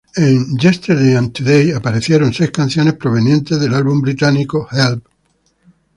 En "Yesterday and Today" aparecieron seis canciones provenientes de los álbumes británicos "Help!